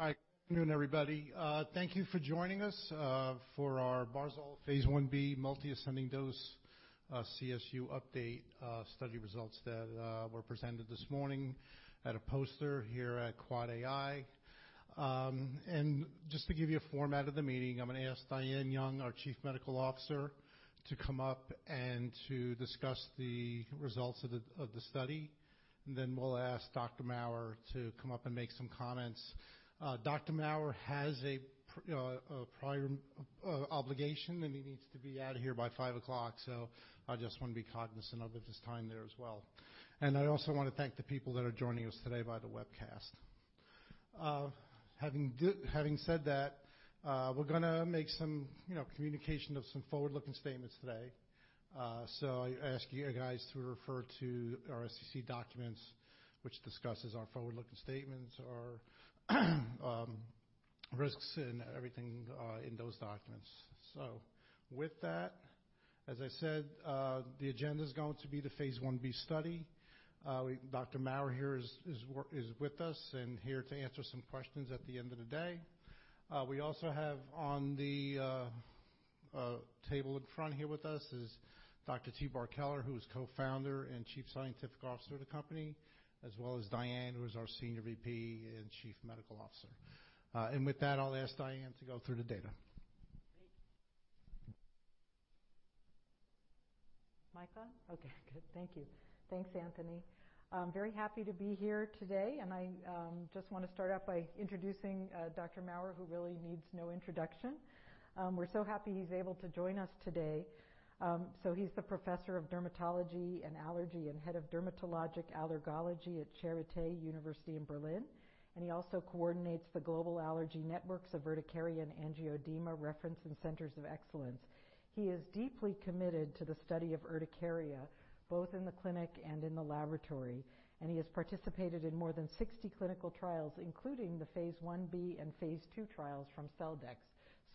Hi, good afternoon, everybody. Thank you for joining us for our barzol phase I-B multi-ascending dose CSU update study results that were presented this morning at a poster here at Claud AI. Just to give you a format of the meeting, I'm gonna ask Diane Young, our Chief Medical Officer, to come up and to discuss the results of the study, then we'll ask Dr. Maurer to come up and make some comments. Dr. Maurer has a prior obligation, he needs to be out of here by 5:00 P.M., I just wanna be cognizant of his time there as well. I also wanna thank the people that are joining us today via the webcast. Having said that, we're gonna make some, you know, communication of some forward-looking statements today. I ask you guys to refer to our SEC documents, which discusses our forward-looking statements or risks and everything in those documents. With that, as I said, the agenda's going to be the phase 1-B study. Dr. Maurer here is with us and here to answer some questions at the end of the day. We also have on the table in front here with us is Dr. Tibor Keler, who is Co-Founder and Chief Scientific Officer of the company, as well as Diane, who is our Senior VP and Chief Medical Officer. With that, I'll ask Diane to go through the data. Mic on? Okay, good. Thank you. Thanks, Anthony. I'm very happy to be here today, I just wanna start off by introducing Dr. Maurer, who really needs no introduction. We're so happy he's able to join us today. He's the Professor of Dermatology and Allergy and Head of Dermatologic Allergology at Charité – University Berlin, and he also coordinates the Global Allergy Networks of Urticaria and Angioedema Reference and Centers of Excellence. He is deeply committed to the study of urticaria, both in the clinic and in the laboratory. He has participated in more than 60 clinical trials, including the phase 1-B and phase II trials from Celldex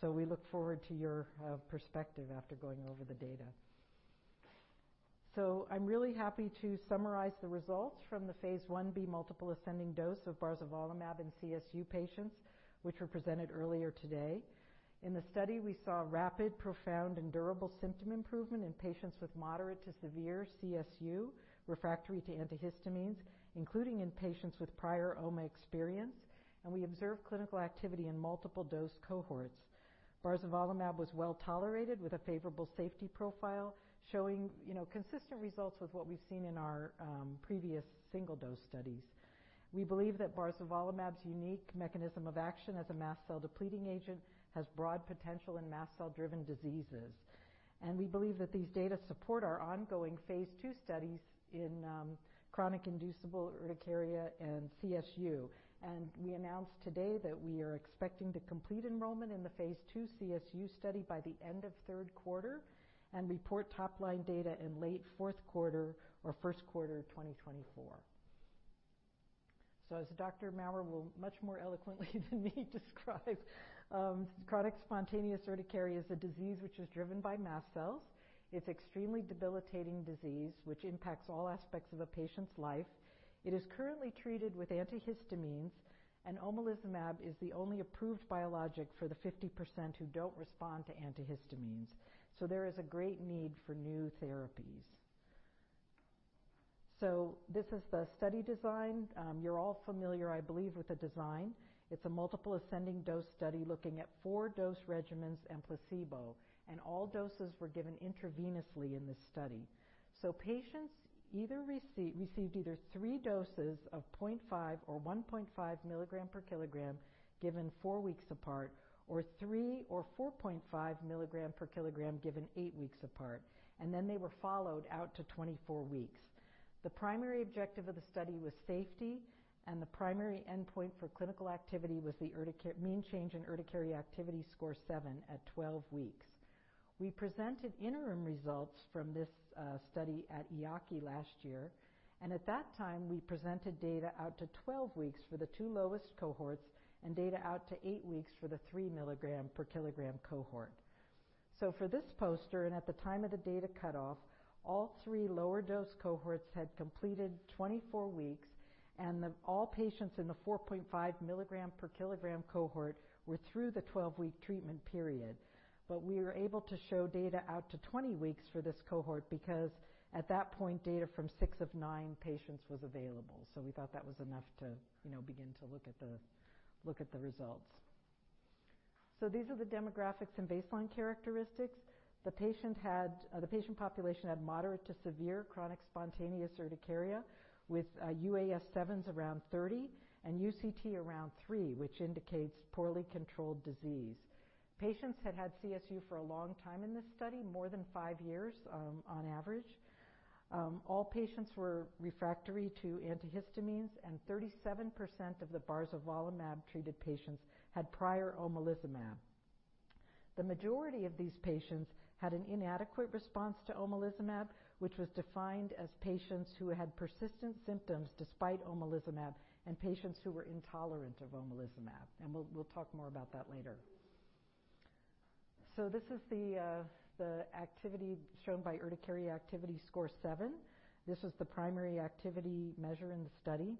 Therapeutics. We look forward to your perspective after going over the data. I'm really happy to summarize the results from the phase I-B multiple ascending dose of barzolvolimab in CSU patients, which were presented earlier today. In the study, we saw rapid, profound, and durable symptom improvement in patients with moderate to severe CSU refractory to antihistamines, including in patients with prior OMA experience, and we observed clinical activity in multiple dose cohorts. barzolvolimab was well-tolerated with a favorable safety profile showing, you know, consistent results with what we've seen in our previous single-dose studies. We believe that barzolvolimab 's unique mechanism of action as a mast cell depleting agent has broad potential in mast cell-driven diseases. We believe that these data support our ongoing phase II studies in chronic inducible urticaria and CSU. We announced today that we are expecting to complete enrollment in the phase II CSU study by the end of third quarter and report top-line data in late fourth quarter or first quarter of 2024. As Dr. Maurer will much more eloquently than me describe, chronic spontaneous urticaria is a disease which is driven by mast cells. It's extremely debilitating disease which impacts all aspects of a patient's life. It is currently treated with antihistamines, and omalizumab is the only approved biologic for the 50% who don't respond to antihistamines. There is a great need for new therapies. This is the study design. You're all familiar, I believe, with the design. It's a multiple ascending dose study looking at four dose regimens and placebo, and all doses were given intravenously in this study. Patients received either three doses of 0.5 or 1.5 mg/kg given four weeks apart or 3 mg or 4.5 mg/kg given eight weeks apart. Then they were followed out to 24 weeks. The primary objective of the study was safety, and the primary endpoint for clinical activity was the mean change in Urticaria Activity Score 7 at 12 weeks. We presented interim results from this study at EAACI last year, and at that time, we presented data out to 12 weeks for the two lowest cohorts and data out to eight weeks for the 3 mg/kg cohort. For this poster and at the time of the data cutoff, all three lower dose cohorts had completed 24 weeks, and all patients in the 4.5 mg/kg cohort were through the 12-week treatment period. We were able to show data out to 20 weeks for this cohort because at that point, data from six of nine patients was available. We thought that was enough to, you know, begin to look at the results. These are the demographics and baseline characteristics. The patient population had moderate to severe chronic spontaneous urticaria with UAS7s around 30 and UCT around three, which indicates poorly controlled disease. Patients had CSU for a long time in this study, more than five years on average. All patients were refractory to antihistamines, 37% of the barzolvolimab -treated patients had prior omalizumab. The majority of these patients had an inadequate response to omalizumab, which was defined as patients who had persistent symptoms despite omalizumab and patients who were intolerant of omalizumab. We'll talk more about that later. This is the activity shown by Urticaria Activity Score 7. This is the primary activity measure in the study,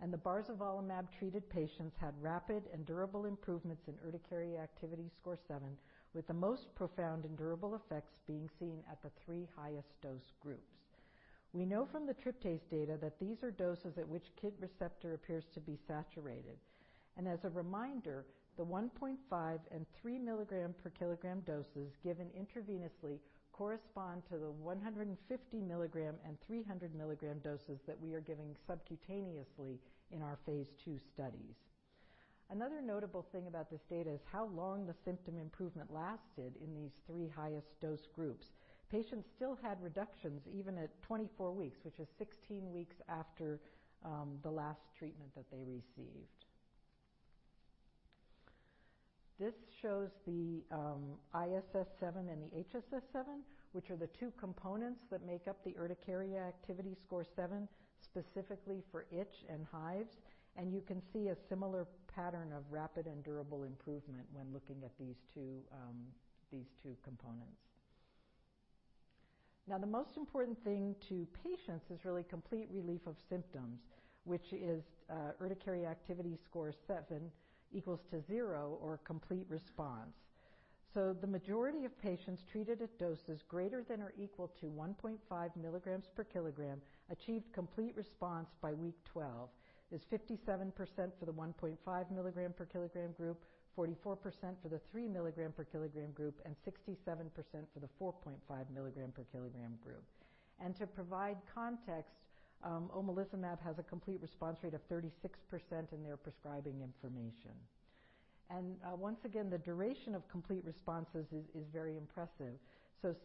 the barzolvolimab -treated patients had rapid and durable improvements in Urticaria Activity Score 7, with the most profound and durable effects being seen at the three highest dose groups. We know from the tryptase data that these are doses at which KIT receptor appears to be saturated. As a reminder, the 1.5 mg and mg/kg doses given intravenously correspond to the 150 mg and 300 mg doses that we are giving subcutaneously in our phase II studies. Another notable thing about this data is how long the symptom improvement lasted in these three highest dose groups. Patients still had reductions even at 24 weeks, which is 16 weeks after the last treatment that they received. This shows the ISS7 and the HSS7, which are the two components that make up the UAS7, specifically for itch and hives. You can see a similar pattern of rapid and durable improvement when looking at these two, these two components. The most important thing to patients is really complete relief of symptoms, which is Urticaria Activity Score 7 equals to zero or complete response. The majority of patients treated at doses greater than or equal to 1.5 mg/kg achieved complete response by week 12, is 57% for the 1.5 mg/kg group, 44% for the 3 mg/kg group, and 67% for the 4.5 mg/kg group. To provide context, omalizumab has a complete response rate of 36% in their prescribing information. Once again, the duration of complete responses is very impressive.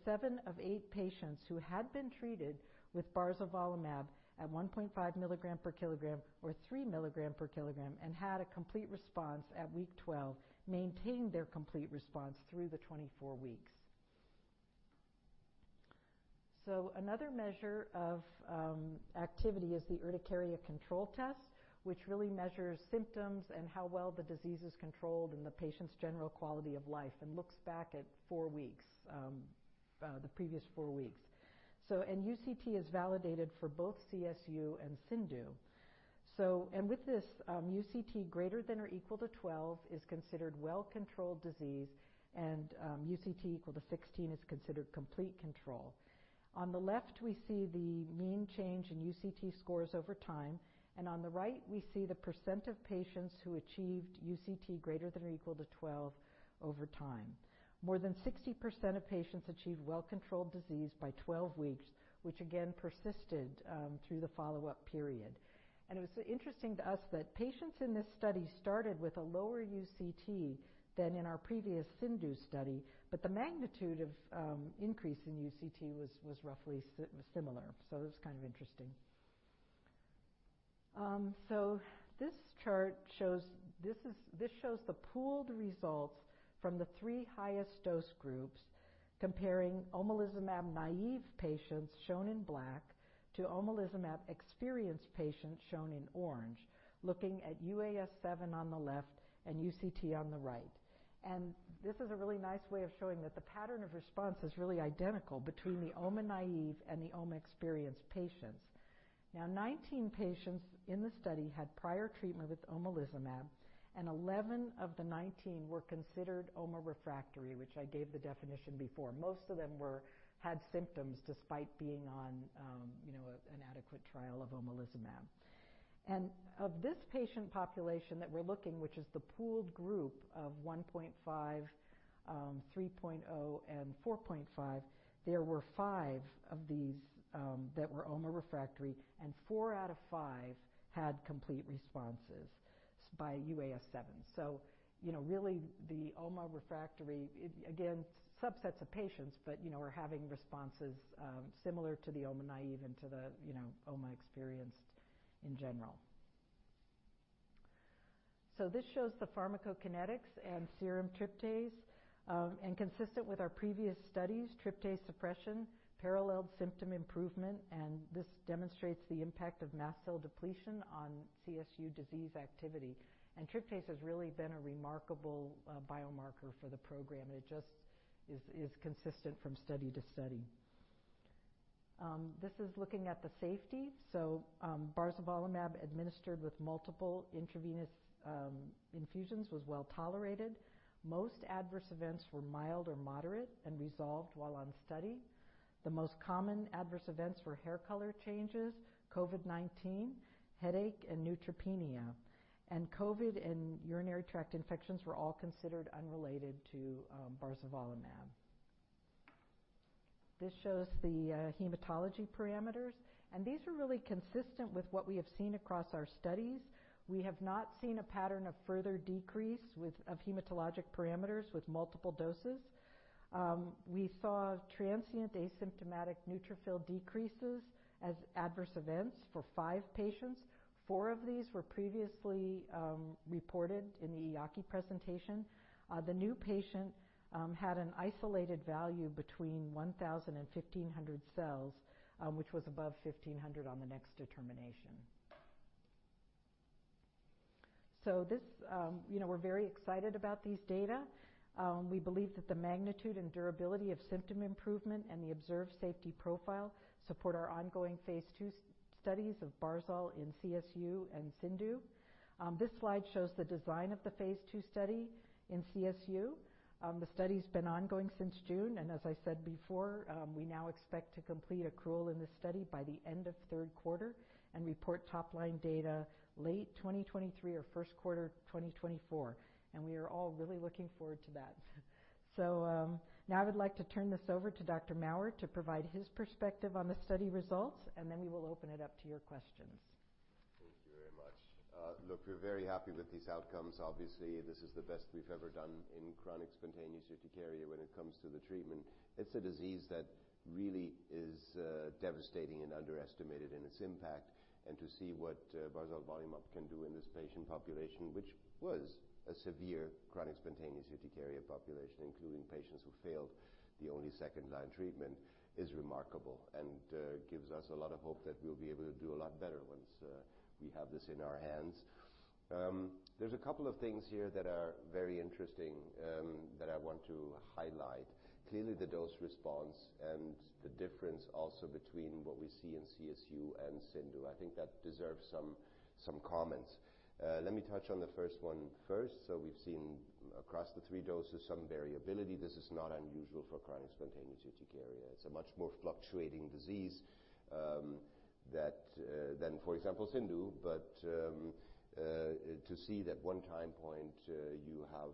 Seven of eight patients who had been treated with barzolvolimab at 1.5 mg/kg or 3 mg/kg and had a complete response at week 12, maintained their complete response through the 24 weeks. Another measure of activity is the Urticaria Control Test, which really measures symptoms and how well the disease is controlled and the patient's general quality of life and looks back at four weeks, the previous four weeks. UCT is validated for both CSU and CIndU. With this, UCT greater than or equal to 12 is considered well-controlled disease, and UCT equal to 16 is considered complete control. On the left, we see the mean change in UCT scores over time, and on the right, we see the % of patients who achieved UCT greater than or equal to 12 over time. More than 60% of patients achieved well-controlled disease by 12 weeks, which again persisted through the follow-up period. It was interesting to us that patients in this study started with a lower UCT than in our previous CIndU study, but the magnitude of increase in UCT was roughly similar. It was kind of interesting. This chart shows the pooled results from the three highest dose groups comparing omalizumab-naive patients, shown in black, to omalizumab-experienced patients, shown in orange, looking at UAS7 on the left and UCT on the right. This is a really nice way of showing that the pattern of response is really identical between the omalizumab-naive and the omalizumab-experienced patients. 19 patients in the study had prior treatment with omalizumab, and 11 of the 19 were considered OMA-refractory, which I gave the definition before. Most of them had symptoms despite being on, you know, an adequate trial of omalizumab. Of this patient population that we're looking, which is the pooled group of 1.5, 3.0, and 4.5, there were five of these that were OMA-refractory, and four out of five had complete responses by UAS7. You know, really the OMA-refractory, again, subsets of patients, but, you know, are having responses similar to the oma-naive and to the, you know, oma-experienced in general. This shows the pharmacokinetics and serum tryptase. Consistent with our previous studies, tryptase suppression paralleled symptom improvement, and this demonstrates the impact of mast cell depletion on CSU disease activity. Tryptase has really been a remarkable biomarker for the program. It just is consistent from study to study. This is looking at the safety. Barzolvolimab administered with multiple intravenous infusions was well-tolerated. Most adverse events were mild or moderate and resolved while on study. The most common adverse events were hair color changes, COVID-19, headache, and neutropenia. COVID and urinary tract infections were all considered unrelated to barzolvolimab. This shows the hematology parameters. These are really consistent with what we have seen across our studies. We have not seen a pattern of further decrease of hematologic parameters with multiple doses. We saw transient asymptomatic neutrophil decreases as adverse events for five patients. Four of these were previously reported in the EAACI presentation. The new patient had an isolated value between 1,000 and 1,500 cells, which was above 1,500 on the next determination. You know, we're very excited about these data. We believe that the magnitude and durability of symptom improvement and the observed safety profile support our ongoing phase II studies of barzolvolimab in CSU and CIndU. This slide shows the design of the phase II study in CSU. The study's been ongoing since June, and as I said before, we now expect to complete accrual in this study by the end of third quarter and report top-line data late 2023 or first quarter 2024. We are all really looking forward to that. Now I would like to turn this over to Dr. Maurer to provide his perspective on the study results, and then we will open it up to your questions. Thank you very much. Look, we're very happy with these outcomes. Obviously, this is the best we've ever done in chronic spontaneous urticaria when it comes to the treatment. It's a disease that really is devastating and underestimated in its impact. To see what barzolvolimab can do in this patient population, which was a severe chronic spontaneous urticaria population, including patients who failed the only second-line treatment, is remarkable. Gives us a lot of hope that we'll be able to do a lot better once we have this in our hands. There's a couple of things here that are very interesting that I want to highlight. Clearly, the dose response and the difference also between what we see in CSU and CIndU. I think that deserves some comments. Let me touch on the first one first. We've seen across the three doses some variability. This is not unusual for chronic spontaneous urticaria. It's a much more fluctuating disease that than, for example, CIndU. To see that one time point, you have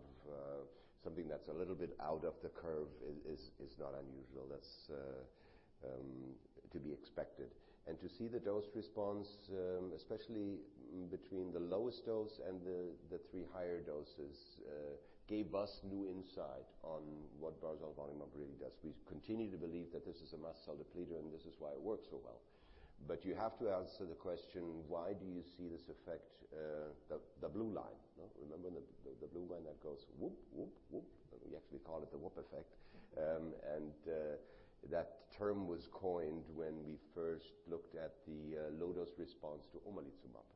something that's a little bit out of the curve is not unusual. That's to be expected. To see the dose response, especially between the lowest dose and the three higher doses, gave us new insight on what barzolvolimab really does. We continue to believe that this is a mast cell depleter, and this is why it works so well. You have to answer the question, why do you see this effect, the blue line? No. Remember the blue one that goes whoop, whoop. We actually call it the whoop effect. That term was coined when we first looked at the low-dose response to omalizumab,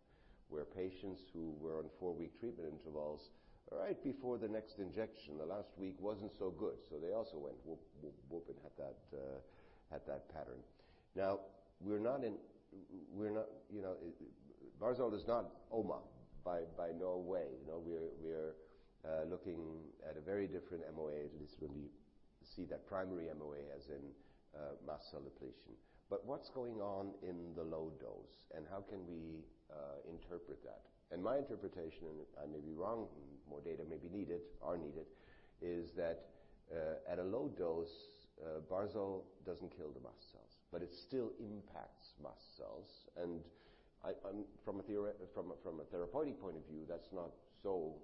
where patients who were on four week treatment intervals right before the next injection, the last week wasn't so good. They also went whoop, whoop and had that pattern. We're not, you know, barzol is not Oma by no way. You know, we're looking at a very different MOA. At least when we see that primary MOA as in mast cell depletion. What's going on in the low dose, and how can we interpret that? My interpretation, and I may be wrong, more data may be needed, is that at a low dose, barzol doesn't kill the mast cells, but it still impacts mast cells. I'm from a therapeutic point of view, that's not so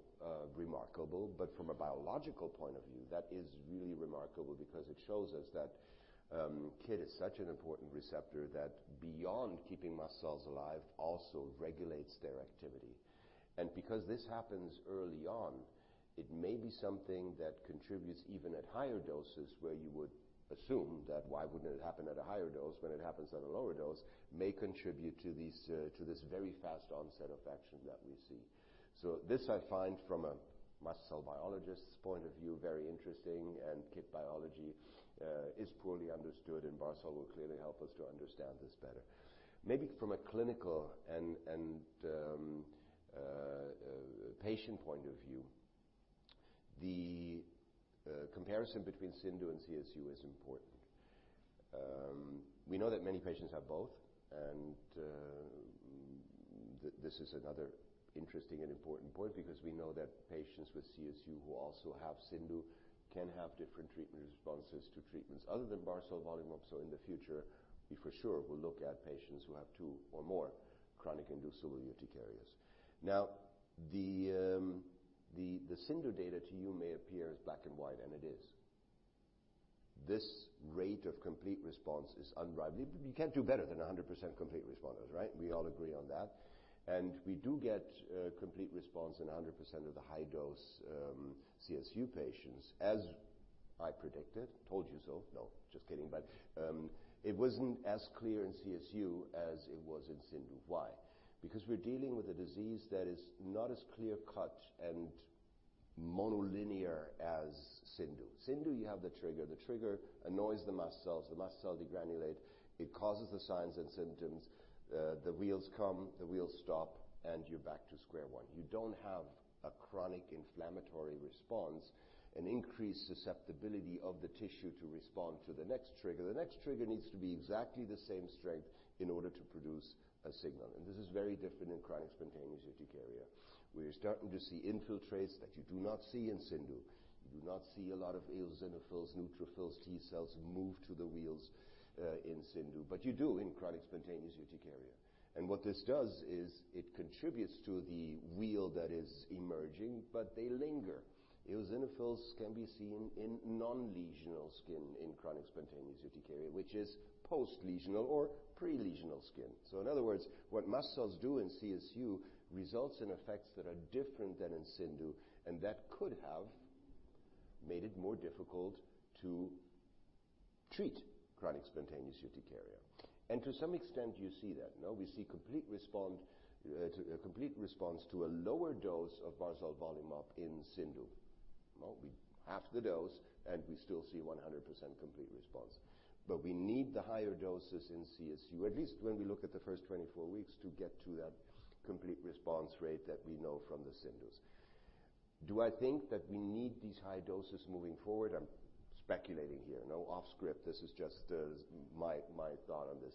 remarkable. From a biological point of view, that is really remarkable because it shows us that KIT is such an important receptor that beyond keeping mast cells alive, also regulates their activity. Because this happens early on, it may be something that contributes even at higher doses, where you would assume that why wouldn't it happen at a higher dose when it happens at a lower dose, may contribute to these to this very fast onset of action that we see. This I find from a mast cell biologist's point of view, very interesting. KIT biology is poorly understood, and barzol will clearly help us to understand this better. Maybe from a clinical and patient point of view, the comparison between CIndU and CSU is important. We know that many patients have both, and this is another interesting and important point because we know that patients with CSU who also have CIndU can have different treatment responses to treatments other than barzolvolimab. In the future, we for sure will look at patients who have two or more chronic inducible urticarias. Now, the CIndU data to you may appear as black and white, and it is. This rate of complete response is unrivaled. You can't do better than 100% complete responders, right? We all agree on that. We do get complete response in 100% of the high-dose CSU patients, as I predicted. Told you so. No, just kidding. It wasn't as clear in CSU as it was in CIndU. Why? Because we're dealing with a disease that is not as clear-cut and mono-linear as CIndU. CIndU, you have the trigger. The trigger annoys the mast cells. The mast cell degranulate. It causes the signs and symptoms. The wheals come, the wheals stop, and you're back to square one. You don't have a chronic inflammatory response, an increased susceptibility of the tissue to respond to the next trigger. The next trigger needs to be exactly the same strength in order to produce a signal. This is very different in chronic spontaneous urticaria. We're starting to see infiltrates that you do not see in CIndU. You do not see a lot of eosinophils, neutrophils, T-cells move to the wheals in CIndU. But you do in chronic spontaneous urticaria. What this does is it contributes to the wheal that is emerging, but they linger. Eosinophils can be seen in non-lesional skin in chronic spontaneous urticaria, which is post-lesional or pre-lesional skin. In other words, what mast cells do in CSU results in effects that are different than in CIndU, and that could have made it more difficult to treat chronic spontaneous urticaria. To some extent, you see that, no, we see a complete response to a lower dose of barzolvolimab in CIndU. No, we half the dose, and we still see 100% complete response. We need the higher doses in CSU, at least when we look at the first 24 weeks, to get to that complete response rate that we know from the CIndUs. Do I think that we need these high doses moving forward? I'm speculating here. No off script. This is just my thought on this.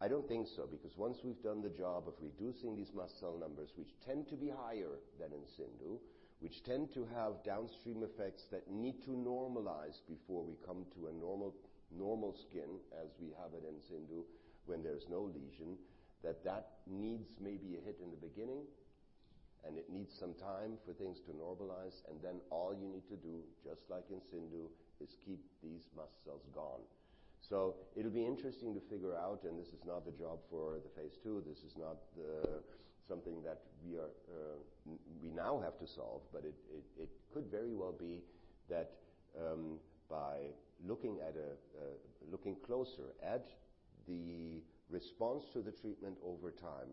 I don't think so because once we've done the job of reducing these mast cell numbers, which tend to be higher than in CIndU, which tend to have downstream effects that need to normalize before we come to a normal skin as we have it in CIndU when there's no lesion. That needs maybe a hit in the beginning, and it needs some time for things to normalize. Then all you need to do, just like in CIndU, is keep these mast cells gone. It'll be interesting to figure out, and this is not something that we are, we now have to solve, but it could very well be that, by looking at a, looking closer at the response to the treatment over time,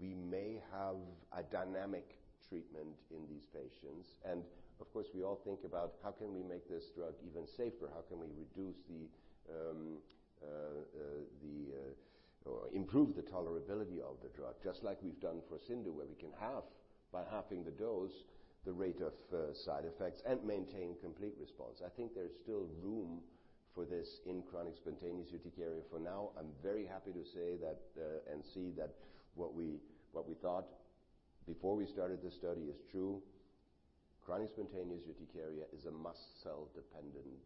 we may have a dynamic treatment in these patients. Of course, we all think about how can we make this drug even safer? How can we reduce the, or improve the tolerability of the drug, just like we've done for CIndU, where we can half by halving the dose, the rate of side effects, and maintain complete response. I think there's still room for this in chronic spontaneous urticaria. For now, I'm very happy to say that and see that what we thought before we started this study is true. Chronic spontaneous urticaria is a mast cell-dependent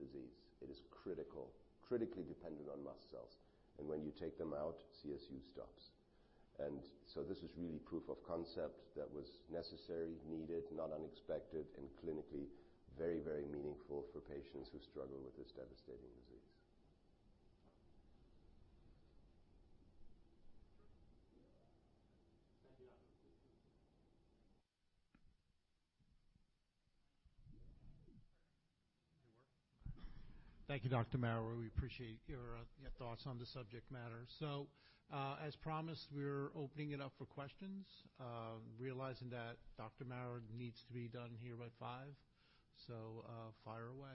disease. It is critically dependent on mast cells. When you take them out, CSU stops. This is really proof of concept that was necessary, needed, not unexpected, and clinically very, very meaningful for patients who struggle with this devastating disease. Thank you, Dr. Maurer. We appreciate your thoughts on the subject matter. As promised, we're opening it up for questions, realizing that Dr. Maurer needs to be done here by five. Fire away.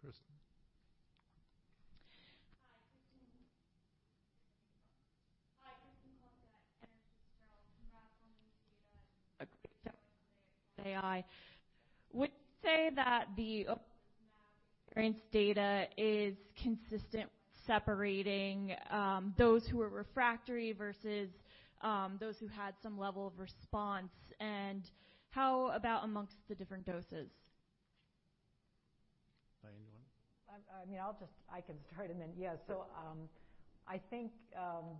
Kristen. Hi, Kristen. Would you say that the omalizumab variance data is consistent separating those who are refractory versus those who had some level of response? How about amongst the different doses? By anyone. I mean, I'll just I can start and then yeah. I think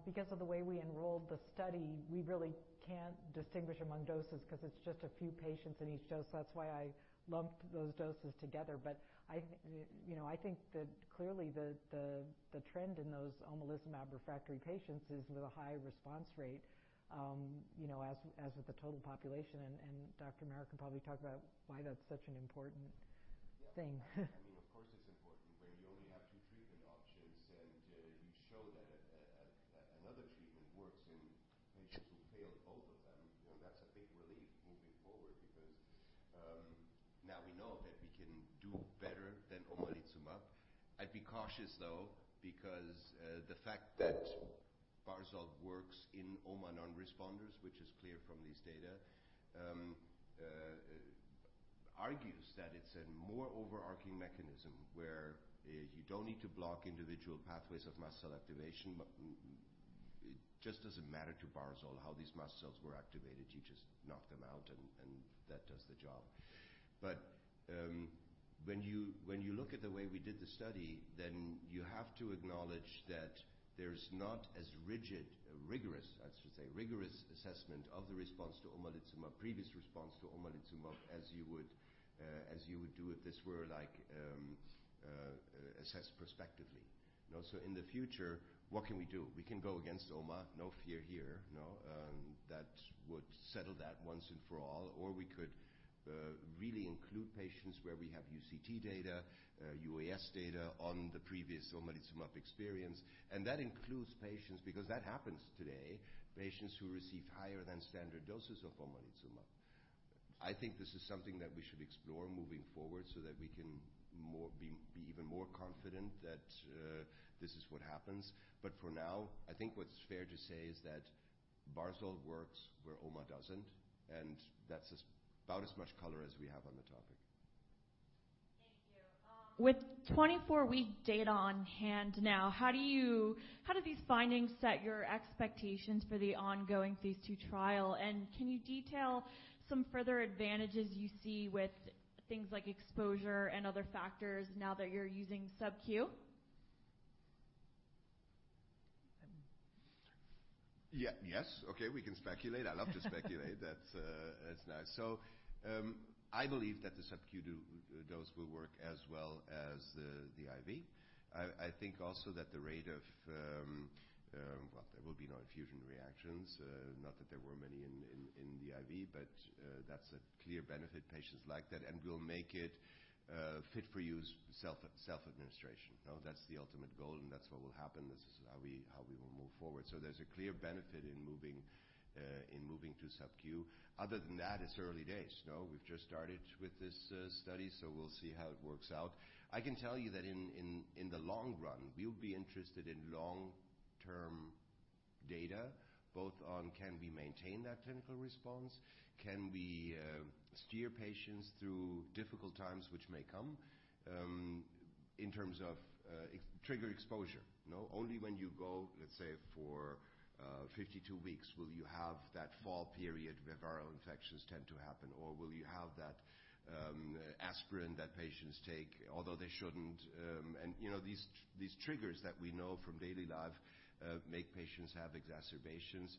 because of the way we enrolled the study, we really can't distinguish among doses 'cause it's just a few patients in each dose. That's why I lumped those doses together. You know, I think that clearly the trend in those omalizumab-refractory patients is with a high response rate, you know, as with the total population. Dr. Maurer can probably talk about why that's such an important thing. I mean, of course it's important when you only have two treatment options, and you show that another treatment works in patients who failed both of them. You know, that's a big relief moving forward because now we know that we can do better than omalizumab. I'd be cautious though, because the fact that Barzol works in Oma non-responders, which is clear from this data, argues that it's a more overarching mechanism where you don't need to block individual pathways of mast cell activation. It just doesn't matter to barzol how these mast cells were activated. You just knock them out and that does the job. When you look at the way we did the study, then you have to acknowledge that there's not as rigid, rigorous, I should say, rigorous assessment of the response to omalizumab, previous response to omalizumab, as you would do if this were assessed prospectively. You know, in the future, what can we do? We can go against oma. No fear here. No. That would settle that once and for all. We could really include patients where we have UCT data, UAS data on the previous omalizumab experience. That includes patients because that happens today, patients who receive higher than standard doses of omalizumab. I think this is something that we should explore moving forward so that we can be even more confident that this is what happens. For now, I think what's fair to say is that barzol works where oma doesn't, and that's about as much color as we have on the topic. Thank you. With 24-week data on hand now, how do these findings set your expectations for the ongoing phase II trial? Can you detail some further advantages you see with things like exposure and other factors now that you're using subcu? Yeah. Yes. Okay, we can speculate. I love to speculate. That's nice. I believe that the subcu dose will work as well as the IV. I think also that the rate of, well, there will be no infusion reactions, not that there were many in the IV, but that's a clear benefit patients like that. We'll make it fit for use self-administration. Now, that's the ultimate goal, and that's what will happen. This is how we will move forward. There's a clear benefit in moving to subcu. Other than that, it's early days. No, we've just started with this study, so we'll see how it works out. I can tell you that in the long run, we'll be interested in long-term data, both on can we maintain that clinical response, can we steer patients through difficult times which may come in terms of trigger exposure, you know. Only when you go, let's say, for 52 weeks, will you have that fall period where viral infections tend to happen, or will you have that aspirin that patients take, although they shouldn't. You know, these triggers that we know from daily life make patients have exacerbations.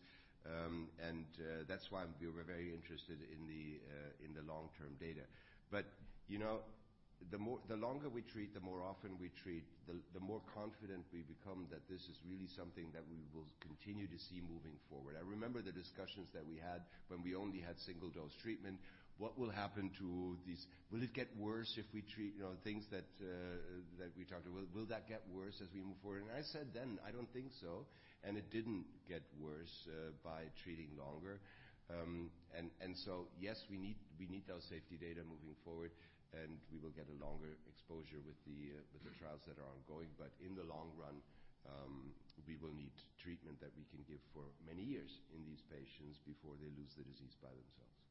That's why we were very interested in the long-term data. You know, the longer we treat, the more often we treat, the more confident we become that this is really something that we will continue to see moving forward. I remember the discussions that we had when we only had single-dose treatment. What will happen to these Will it get worse if we treat, you know, things that we talked about? Will that get worse as we move forward? I said then, "I don't think so." It didn't get worse by treating longer. Yes, we need those safety data moving forward, and we will get a longer exposure with the trials that are ongoing. In the long run, we will need treatment that we can give for many years in these patients before they lose the disease by themselves.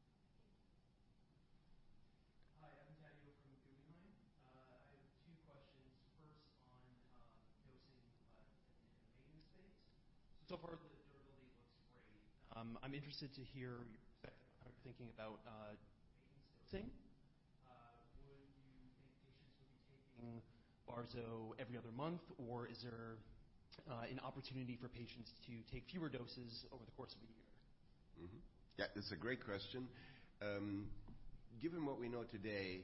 Hi, I'm Daniel from Guggenheim. I have two questions. First on dosing in a maintenance phase. So far the durability looks great. I'm interested to hear your perspective on thinking about maintenance dosing. Would you think patients will be taking barzol every other month, or is there an opportunity for patients to take fewer doses over the course of a year? Yeah, that's a great question. Given what we know today,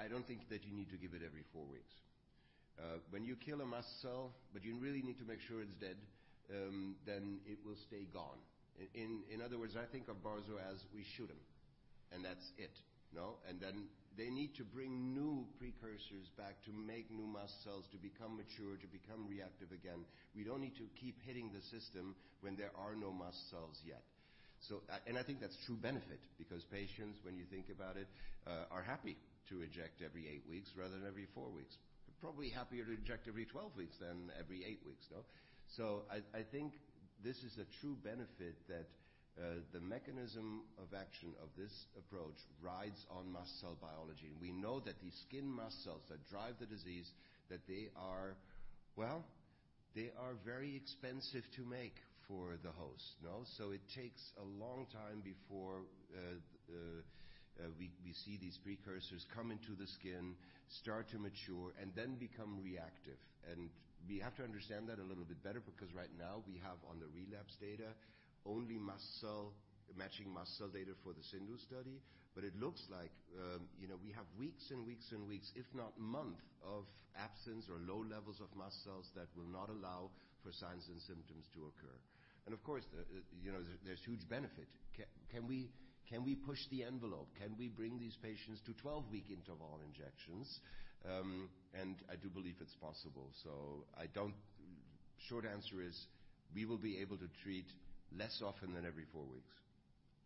I don't think that you need to give it every four weeks. When you kill a mast cell, you really need to make sure it's dead, then it will stay gone. In other words, I think of barzol as we shoot them, that's it, you know. Then they need to bring new precursors back to make new mast cells to become mature, to become reactive again. We don't need to keep hitting the system when there are no mast cells yet. I think that's true benefit because patients, when you think about it, are happy to inject every eight weeks rather than every four weeks. Probably happier to inject every 12 weeks than every eight weeks, you know. I think this is a true benefit that the mechanism of action of this approach rides on mast cell biology. We know that the skin mast cells that drive the disease, that they are, well, they are very expensive to make for the host, you know. It takes a long time before we see these precursors come into the skin, start to mature, and then become reactive. We have to understand that a little bit better, because right now we have on the relapse data only matching mast cell data for the CIndU study. It looks like, you know, we have weeks and weeks and weeks, if not month, of absence or low levels of mast cells that will not allow for signs and symptoms to occur. Of course, the, you know, there's huge benefit. Can we push the envelope? Can we bring these patients to 12-week interval injections? I do believe it's possible. I don't... Short answer is we will be able to treat less often than every four weeks,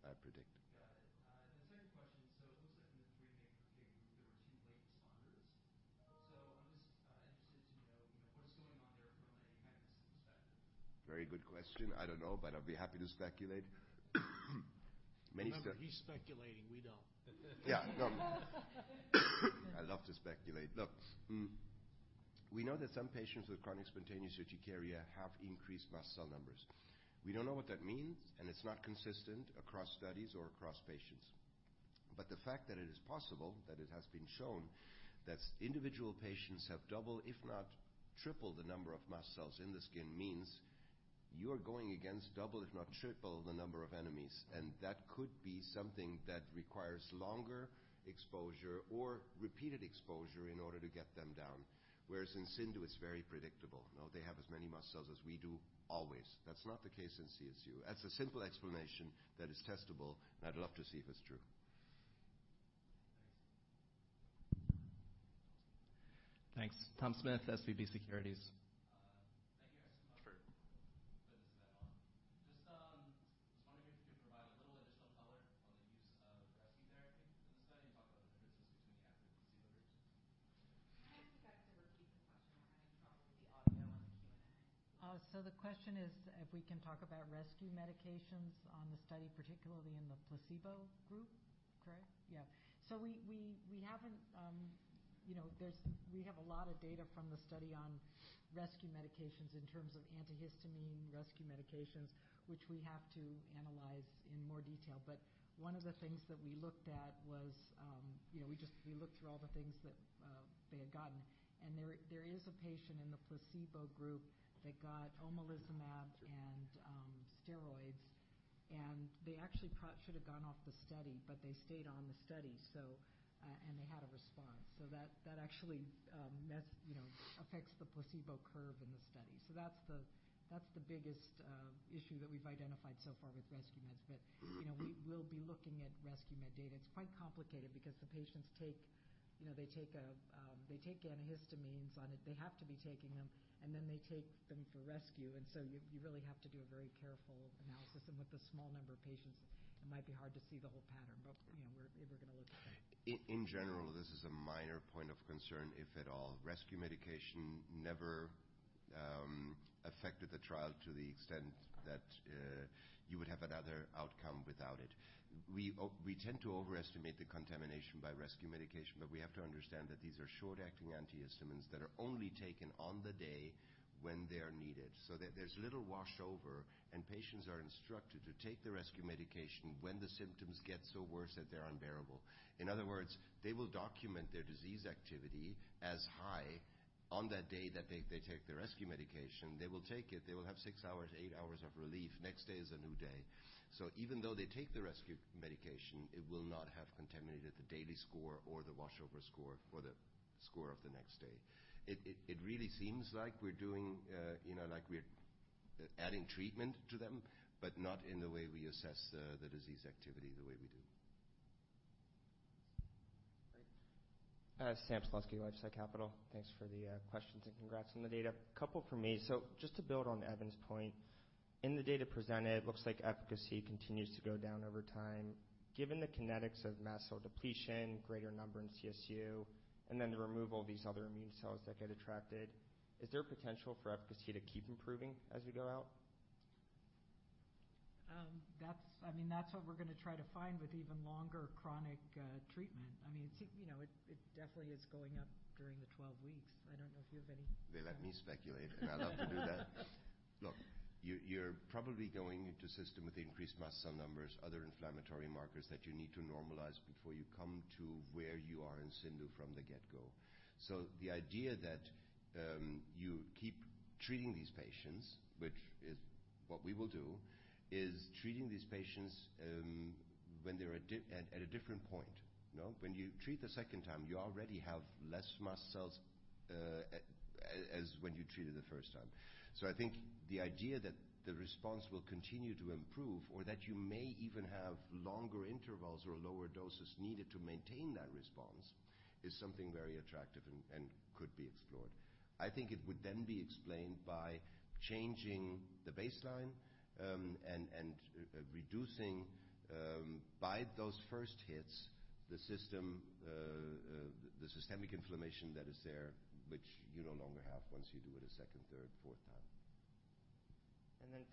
I predict. Got it. The second question. It looks like in the three main groups there were two late responders. I'm just interested to know, you know, what is going on there from a mechanism perspective? Very good question. I don't know, but I'll be happy to speculate. Remember, he's speculating. We don't. Yeah. No. I love to speculate. Look, we know that some patients with chronic spontaneous urticaria have increased mast cell numbers. We don't know what that means, and it's not consistent across studies or across patients. The fact that it is possible, that it has been shown that individual patients have double, if not triple the number of mast cells in the skin means you're going against double, if not triple the number of enemies. That could be something that requires longer exposure or repeated exposure in order to get them down. Whereas in CIndU, it's very predictable. You know, they have as many mast cells as we do always. That's not the case in CSU. That's a simple explanation that is testable, and I'd love to see if it's true. Thanks. Thanks. Thomas Smith, SVB Securities. Thank you guys so much for this webinar. Just, I was wondering if you could provide a little additional color on the use of rescue therapy in the study, and talk about the differences between the active and placebo groups. Can I ask you guys to repeat the question? I think probably the audio on the Q&A. The question is if we can talk about rescue medications on the study, particularly in the placebo group, correct? Yeah. We haven't, you know. We have a lot of data from the study on rescue medications in terms of antihistamine rescue medications, which we have to analyze. One of the things that we looked at was, you know, we looked through all the things that they had gotten, and there is a patient in the placebo group that got omalizumab and steroids, and they actually should have gone off the study, but they stayed on the study, and they had a response. That actually, mess, you know, affects the placebo curve in the study. That's the biggest issue that we've identified so far with rescue meds. Mm-hmm. You know, we will be looking at rescue med data. It's quite complicated because the patients take, you know, they take antihistamines on it. They have to be taking them, and then they take them for rescue. You really have to do a very careful analysis. With the small number of patients, it might be hard to see the whole pattern, but, you know, we're gonna look at that. In general, this is a minor point of concern, if at all. Rescue medication never affected the trial to the extent that you would have another outcome without it. We tend to overestimate the contamination by rescue medication, but we have to understand that these are short-acting antihistamines that are only taken on the day when they are needed. There's little wash over, and patients are instructed to take the rescue medication when the symptoms get so worse that they're unbearable. In other words, they will document their disease activity as high on that day that they take their rescue medication. They will take it. They will have six hours, eight hours of relief. Next day is a new day. Even though they take the rescue medication, it will not have contaminated the daily score or the washover score or the score of the next day. It really seems like we're doing, you know, like we're adding treatment to them, but not in the way we assess the disease activity the way we do. Thanks. Sam Slutsky, LifeSci Capital. Thanks for the questions, and congrats on the data. A couple from me. Just to build on Evan's point, in the data presented, it looks like efficacy continues to go down over time. Given the kinetics of mast cell depletion, greater number in CSU, and then the removal of these other immune cells that get attracted, is there potential for efficacy to keep improving as we go out? That's, I mean, that's what we're gonna try to find with even longer chronic treatment. I mean, you know, it definitely is going up during the 12 weeks. I don't know if you have any- They let me speculate. I love to do that. Look, you're probably going into system with increased mast cell numbers, other inflammatory markers that you need to normalize before you come to where you are in SYNDGU from the get-go. The idea that you keep treating these patients, which is what we will do, is treating these patients when they're at a different point, you know. When you treat the second time, you already have less mast cells as when you treated the first time. I think the idea that the response will continue to improve or that you may even have longer intervals or lower doses needed to maintain that response is something very attractive and could be explored. I think it would then be explained by changing the baseline, and reducing, by those first hits, the systemic inflammation that is there, which you no longer have once you do it a second, third, fourth time.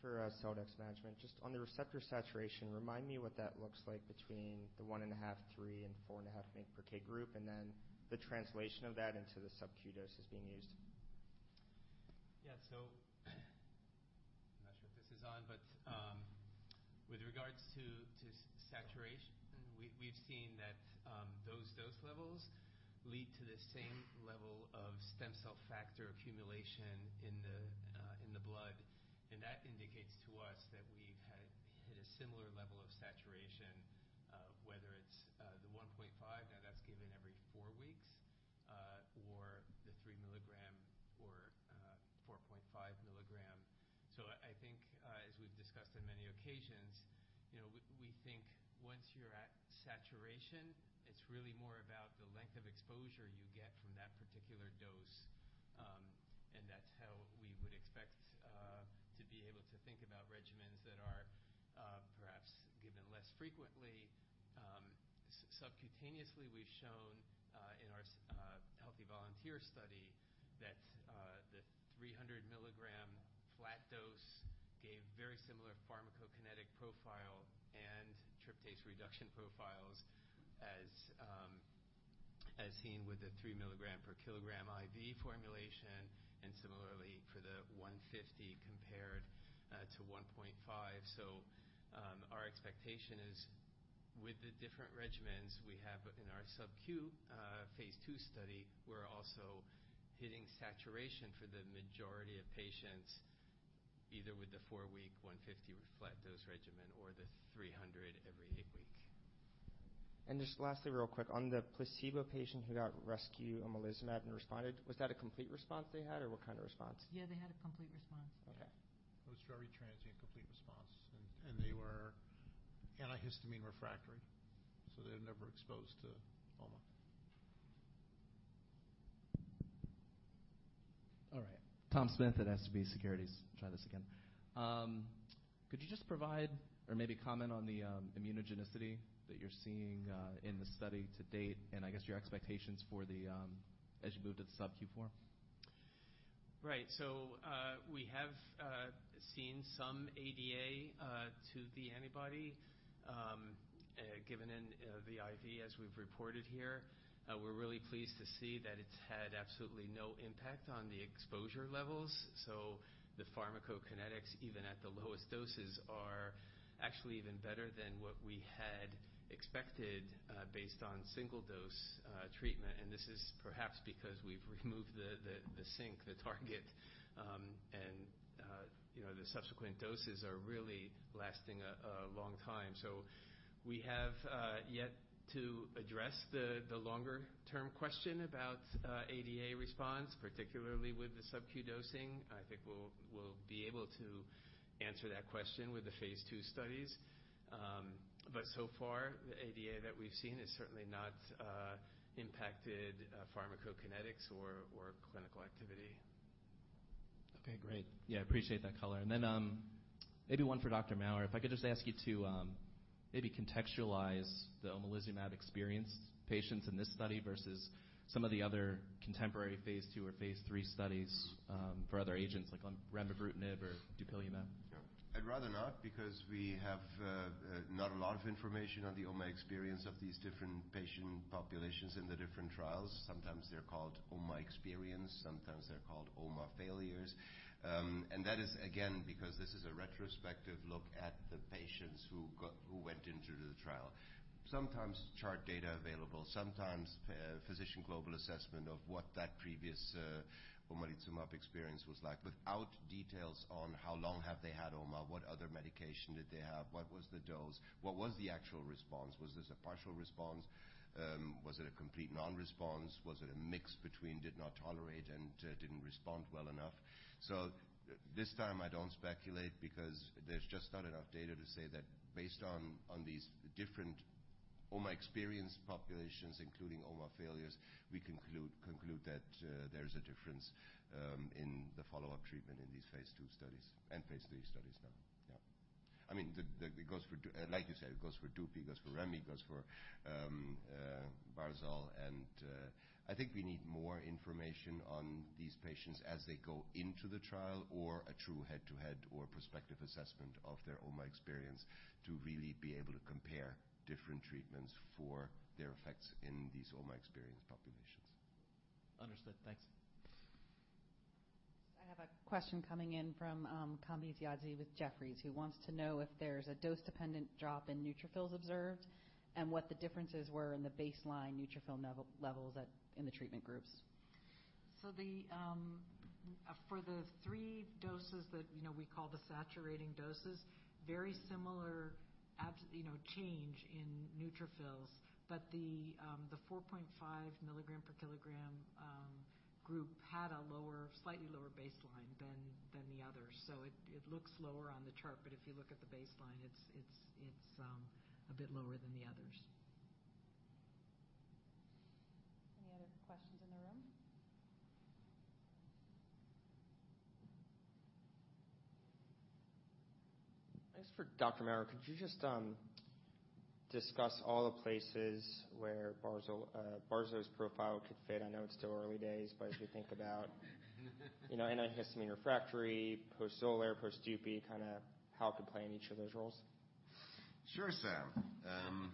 For Celldex Therapeutics, just on the receptor saturation, remind me what that looks like between the 1.5, 3, and 4.5 mg/kg group, and then the translation of that into the subQ dose that's being used? Yeah. I'm not sure if this is on, but with regards to saturation, we've seen that those dose levels lead to the same level of stem cell factor accumulation in the blood. That indicates to us that we've had hit a similar level of saturation, whether it's the 1.5, now that's given every four weeks, or the 3 mg or 4.5 mg. I think, as we've discussed on many occasions, you know, we think once you're at saturation, it's really more about the length of exposure you get from that particular dose. That's how we would expect to be able to think about regimens that are perhaps given less frequently. Subcutaneously, we've shown in our healthy volunteer study that the 300 mg flat dose gave very similar pharmacokinetic profile and tryptase reduction profiles as seen with the 3 mg/kg IV formulation, and similarly for the 150 compared to 1.5. Our expectation is with the different regimens we have in our subcu phase II study, we're also hitting saturation for the majority of patients, either with the four week 150 flat dose regimen or the 300 every eight week. Just lastly, real quick, on the placebo patient who got rescue omalizumab and responded, was that a complete response they had, or what kind of response? Yeah, they had a complete response. Okay. It was very transient complete response. They were antihistamine refractory, so they were never exposed to OMA. All right. Thomas Smith at SV Securities. Try this again. Could you just provide or maybe comment on the immunogenicity that you're seeing in the study to date, and I guess your expectations for the as you move to the subcue form? Right. We have seen some ADA to the antibody. Given in the IV as we've reported here, we're really pleased to see that it's had absolutely no impact on the exposure levels. The pharmacokinetics, even at the lowest doses, are actually even better than what we had expected based on single-dose treatment. This is perhaps because we've removed the sink, the target, and, you know, the subsequent doses are really lasting a long time. We have yet to address the longer-term question about ADA response, particularly with the subcu dosing. I think we'll be able to answer that question with the phase II studies. So far, the ADA that we've seen has certainly not impacted pharmacokinetics or clinical activity. Okay, great. Yeah, I appreciate that color. Maybe one for Dr. Maurer. If I could just ask you to, maybe contextualize the omalizumab experienced patients in this study versus some of the other contemporary phase II or phase III studies, for other agents like remdesivir or dupilumab? Yeah. I'd rather not, because we have not a lot of information on the OMA experience of these different patient populations in the different trials. Sometimes they're called OMA experience, sometimes they're called OMA failures. That is again, because this is a retrospective look at the patients who went into the trial. Sometimes chart data available, sometimes physician global assessment of what that previous omalizumab experience was like, without details on how long have they had OMA, what other medication did they have, what was the dose, what was the actual response? Was this a partial response? Was it a complete non-response? Was it a mix between did not tolerate and didn't respond well enough? This time I don't speculate because there's just not enough data to say that based on these different OMA experienced populations, including OMA failures, we conclude that there's a difference in the follow-up treatment in these phase II studies and phase III studies now. Yeah. I mean, like you said, it goes for Dupixent, it goes for Remy, it goes for barzol. I think we need more information on these patients as they go into the trial or a true head-to-head or prospective assessment of their OMA experience to really be able to compare different treatments for their effects in these OMA experienced populations. Understood. Thanks. I have a question coming in from, Roger Song with Jefferies, who wants to know if there's a dose-dependent drop in neutrophils observed and what the differences were in the baseline neutrophil levels in the treatment groups. The, for the three doses that, you know, we call the saturating doses, very similar you know, change in neutrophils, but the 4.5 mg/kg group had a lower, slightly lower baseline than the others. It looks lower on the chart, but if you look at the baseline, it's a bit lower than the others. Any other questions in the room? This is for Dr. Maurer. Could you just discuss all the places where barzol's profile could fit? I know it's still early days, but as we think about, you know, antihistamine refractory, post-Xolair, post-Dupixent, kinda how it could play in each of those roles. Sure, Sam.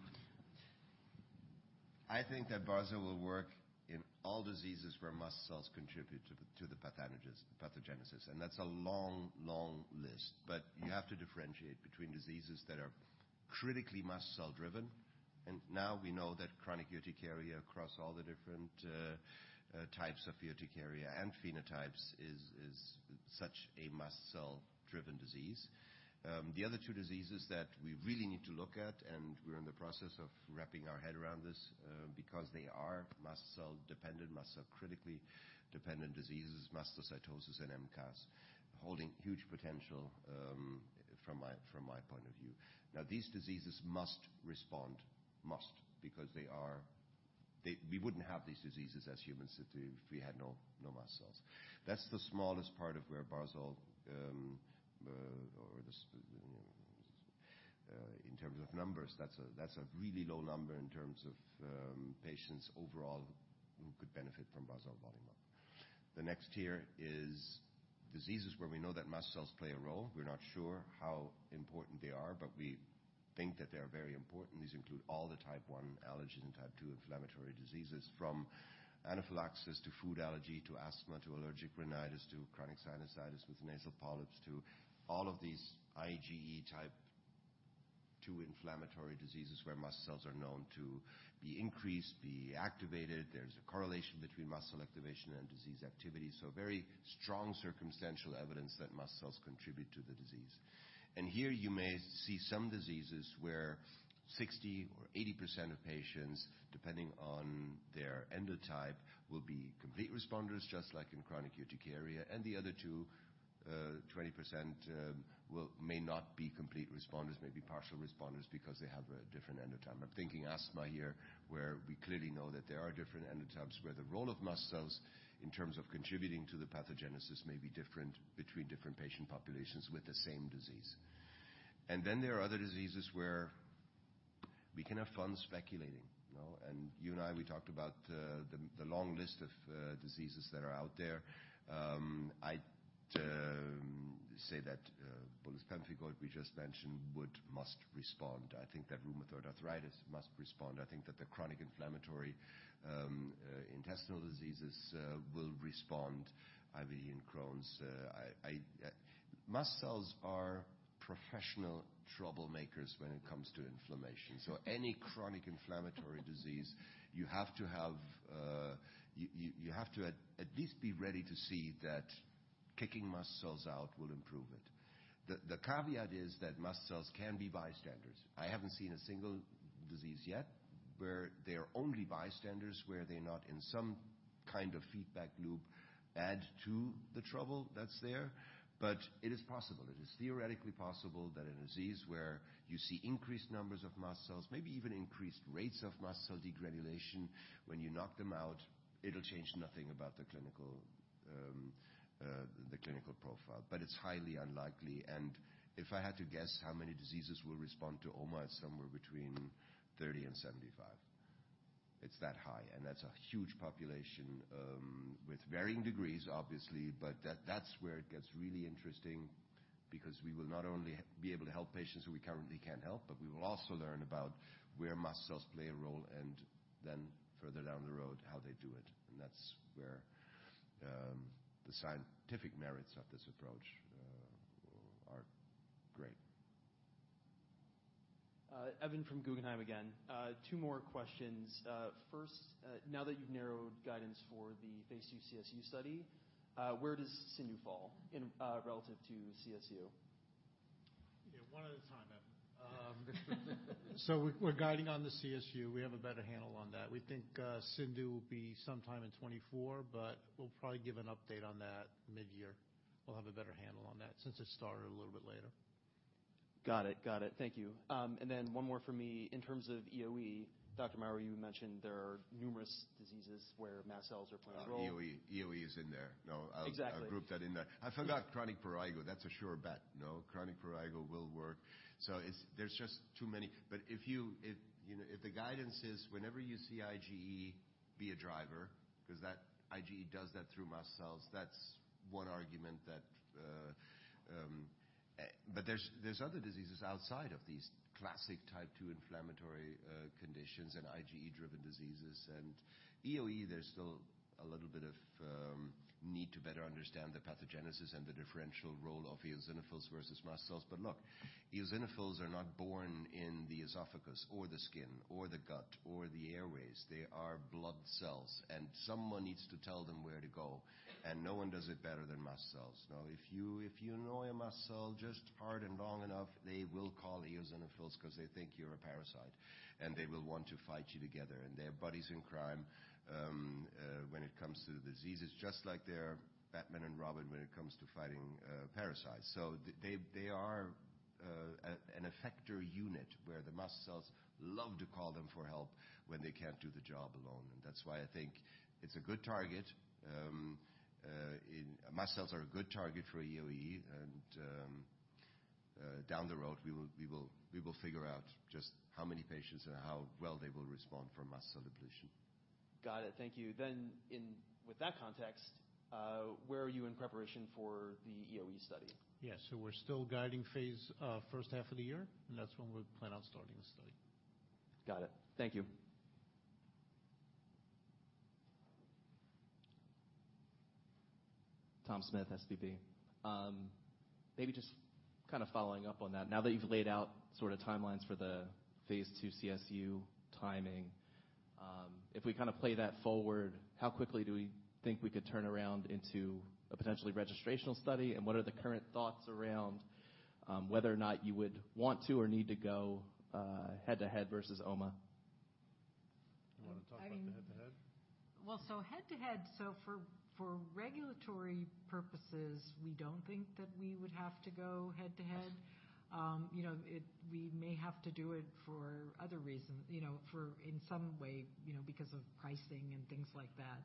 I think that barzol will work in all diseases where mast cells contribute to the pathogenesis, and that's a long, long list. You have to differentiate between diseases that are critically mast cell-driven. Now we know that chronic urticaria across all the different types of urticaria and phenotypes is such a mast cell-driven disease. The other two diseases that we really need to look at, and we're in the process of wrapping our head around this, because they are mast cell-dependent, mast cell critically dependent diseases, mastocytosis and MCAS, holding huge potential, from my point of view. These diseases must respond. Must. Because they are... We wouldn't have these diseases as humans if we had no mast cells. That's the smallest part of where Barzol, or the sp... In terms of numbers, that's a really low number in terms of patients overall who could benefit from barzolvolimab. The next tier is diseases where we know that mast cells play a role. We're not sure how important they are, but we think that they are very important. These include all the type one allergen and type two inflammatory diseases, from anaphylaxis to food allergy, to asthma, to allergic rhinitis, to chronic sinusitis with nasal polyps, to all of these IgE type two inflammatory diseases where mast cells are known to be increased, be activated. There's a correlation between mast cell activation and disease activity, so very strong circumstantial evidence that mast cells contribute to the disease. Here you may see some diseases where 60% or 80% of patients, depending on their endotype, will be complete responders, just like in chronic urticaria. The other two, 20%, may not be complete responders, may be partial responders because they have a different endotype. I'm thinking asthma here, where we clearly know that there are different endotypes where the role of mast cells in terms of contributing to the pathogenesis may be different between different patient populations with the same disease. There are other diseases where we can have fun speculating. You know, you and I, we talked about the long list of diseases that are out there. With pemphigoid, we just mentioned must respond. I think that rheumatoid arthritis must respond. I think that the chronic inflammatory intestinal diseases will respond, IBD and Crohn's. Mast cells are professional troublemakers when it comes to inflammation. Any chronic inflammatory disease you have to have, you have to at least be ready to see that kicking mast cells out will improve it. The caveat is that mast cells can be bystanders. I haven't seen a single disease yet where they are only bystanders, where they're not in some kind of feedback loop, add to the trouble that's there. It is possible. It is theoretically possible that a disease where you see increased numbers of mast cells, maybe even increased rates of mast cell degranulation, when you knock them out, it'll change nothing about the clinical, the clinical profile, but it's highly unlikely. If I had to guess how many diseases will respond to OMA, it's somewhere between 30 and 75. It's that high. That's a huge population, with varying degrees, obviously. That's where it gets really interesting, because we will not only be able to help patients who we currently can't help, but we will also learn about where mast cells play a role and then further down the road, how they do it. That's where the scientific merits of this approach are great. Evan from Guggenheim again. Two more questions. First, now that you've narrowed guidance for the phase II CSU study, where does CIndU fall in relative to CSU? Yeah, one at a time, Evan. We're guiding on the CSU. We have a better handle on that. We think CIndU will be sometime in 2024, we'll probably give an update on that mid-year. We'll have a better handle on that since it started a little bit later. Got it. Got it. Thank you. Then one more for me. In terms of EoE, Dr. Maurer, you mentioned there are numerous diseases where mast cells are playing a role. EoE is in there. Exactly. I'll group that in there. I forgot chronic prurigo. That's a sure bet. Chronic prurigo will work. There's just too many. If you know, if the guidance is whenever you see IgE be a driver, 'cause that IgE does that through mast cells, that's one argument that. There's other diseases outside of these classic type two inflammatory conditions and IgE-driven diseases. EoE, there's still a little bit of need to better understand the pathogenesis and the differential role of eosinophils versus mast cells. Look, eosinophils are not born in the esophagus or the skin or the gut or the airways. They are blood cells, and someone needs to tell them where to go, and no one does it better than mast cells. If you annoy a mast cell just hard and long enough, they will call eosinophils 'cause they think you're a parasite and they will want to fight you together. They are buddies in crime when it comes to diseases, just like they're Batman and Robin when it comes to fighting parasites. They are an effector unit where the mast cells love to call them for help when they can't do the job alone. That's why I think it's a good target. Mast cells are a good target for EoE. Down the road, we will figure out just how many patients and how well they will respond from mast cell depletion. Got it. Thank you. With that context, where are you in preparation for the EoE study? Yes. We're still guiding phase, first half of the year, and that's when we plan on starting the study. Got it. Thank you. Thomas Smith, SVB. Maybe just kind of following up on that. Now that you've laid out sort of timelines for the phase II CSU timing, if we kinda play that forward, how quickly do we think we could turn around into a potentially registrational study and what are the current thoughts around whether or not you would want to or need to go head to head versus OMA? You wanna talk about the head to head? Head to head, for regulatory purposes, we don't think that we would have to go head to head. You know, we may have to do it for other reasons, you know, for in some way, you know, because of pricing and things like that.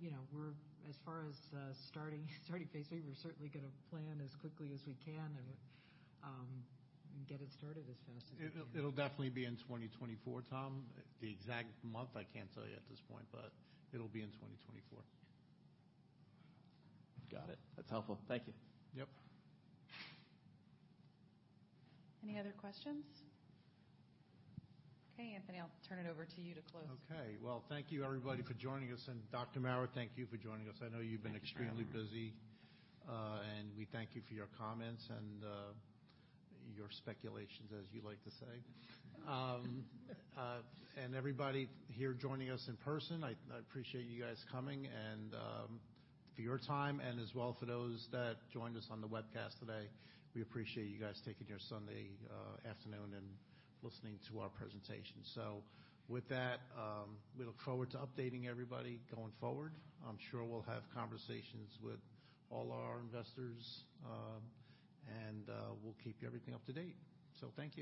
You know, we're as far as starting phase III, we're certainly gonna plan as quickly as we can and get it started as fast as we can. It'll definitely be in 2024, Tom. The exact month, I can't tell you at this point, but it'll be in 2024. Got it. That's helpful. Thank you. Yep. Any other questions? Okay, Anthony, I'll turn it over to you to close. Okay. Well, thank you, everybody, for joining us. Dr. Maurer, thank you for joining us. I know you've been extremely busy. We thank you for your comments and your speculations, as you like to say. Everybody here joining us in person, I appreciate you guys coming and for your time and as well for those that joined us on the webcast today. We appreciate you guys taking your Sunday afternoon and listening to our presentation. With that, we look forward to updating everybody going forward. I'm sure we'll have conversations with all our investors and we'll keep everything up to date. Thank you.